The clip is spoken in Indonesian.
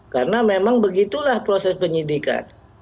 karena memang begitulah proses penyidikan